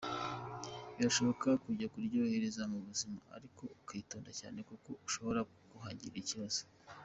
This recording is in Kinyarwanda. Birashoboka kujya kuryohereza yo ubuzima ariko ukitonda cyane kuko ushobora kuhagirira ikibazo .